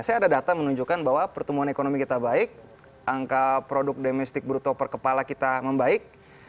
saya ada data menunjukkan bahwa pertumbuhan ekonomi kita baik angka produk domestik bruto per kepala kita membaik